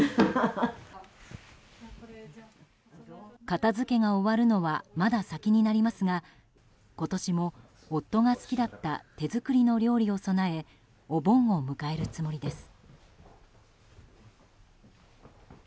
片付けが終わるのはまだ先になりますが今年も夫が好きだった手作りの料理を供えお盆を迎えるつもりです。